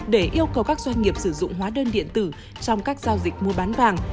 để yêu cầu các doanh nghiệp sử dụng hóa đơn điện tử trong các giao dịch mua bán vàng